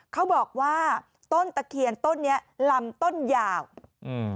เขาบอกว่าต้นตะเคียนต้นเนี้ยลำต้นยาวอืม